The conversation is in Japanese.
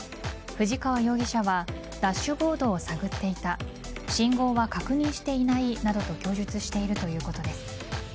藤川容疑者はダッシュボードを探っていた信号は確認していないなどと供述しているということです。